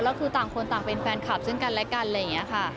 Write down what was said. แล้วคือต่างคนต่างเป็นแฟนคลับซึ่งกันและกันอะไรอย่างนี้ค่ะ